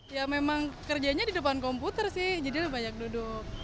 ya memang kerjanya di depan komputer sih jadi lebih banyak duduk